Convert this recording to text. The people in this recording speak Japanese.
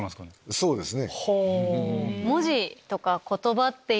そうですね。